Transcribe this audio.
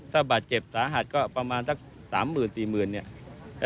ถ้าบาดเจ็บสาหัสก็ประมาณสัก๓๐๐๐๔๐๐๐เนี่ย